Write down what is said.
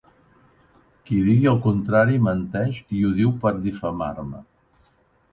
Qui diga el contrari menteix i ho diu per difamar-me.